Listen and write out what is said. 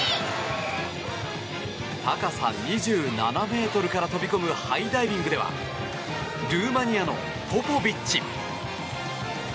高さ２７ｍから飛び込むハイダイビングではルーマニアのポポビッチ。